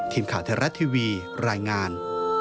ทีมขาวเทศรัตน์ทีวีรายงาน